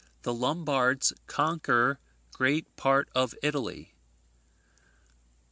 The Lombards conquer great part of Italy.